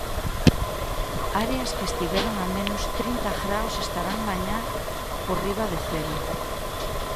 Áreas que estiveron a menos trinta graos estarán mañá por riba de cero.